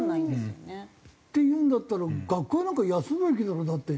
国葬っていうんだったら学校なんか休むべきだろだって。